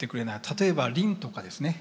例えばリンとかですね